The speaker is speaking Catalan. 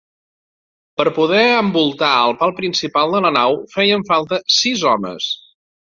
Per poder envoltar el pal principal de la nau feien falta sis homes.